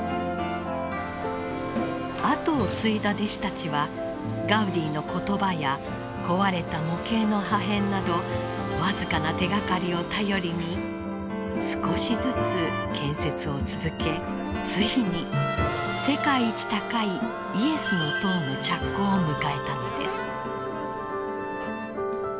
あとを継いだ弟子たちはガウディの言葉や壊れた模型の破片など僅かな手がかりを頼りに少しずつ建設を続けついに世界一高いイエスの塔の着工を迎えたのです。